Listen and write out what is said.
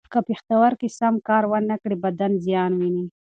که پښتورګي سم کار و نه کړي، بدن زیان ویني.